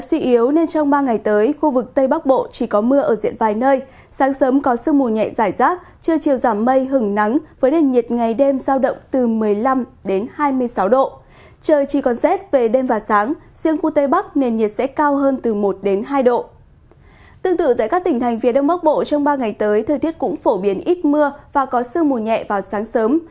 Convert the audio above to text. tương tự tại các tỉnh thành phía đông bắc bộ trong ba ngày tới thời tiết cũng phổ biến ít mưa và có sư mùa nhẹ vào sáng sớm